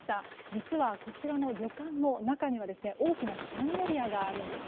実はこちらの旅館の中には大きなシャンデリアがあるんです。